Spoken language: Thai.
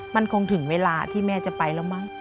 มันคงถึงเวลาที่แม่จะไปแล้วมั้ง